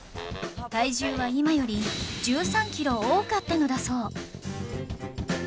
体重は今より１３キロ多かったのだそう